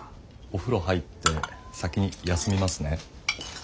お風呂入って先にやすみますね。